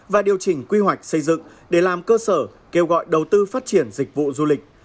và điều chỉnh quy hoạch xây dựng để làm cơ sở kêu gọi đầu tư phát triển dịch vụ du lịch